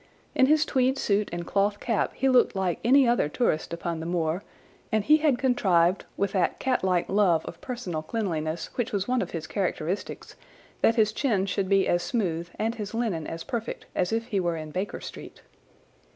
In his tweed suit and cloth cap he looked like any other tourist upon the moor, and he had contrived, with that catlike love of personal cleanliness which was one of his characteristics, that his chin should be as smooth and his linen as perfect as if he were in Baker Street.